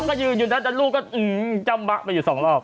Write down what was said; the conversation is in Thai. พอก็ยืนอยู่นั้นแต่ลูกก็อื้อจ้ำปะอื้ออยู่สองรอบ